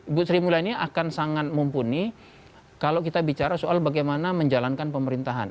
ibu sri mulyani akan sangat mumpuni kalau kita bicara soal bagaimana menjalankan pemerintahan